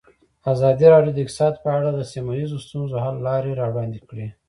ازادي راډیو د اقتصاد په اړه د سیمه ییزو ستونزو حل لارې راوړاندې کړې.